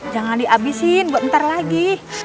jangan di abisin gue ntar lagi